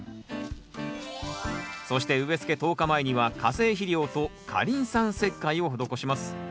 そして植えつけ１０日前には化成肥料と過リン酸石灰を施します。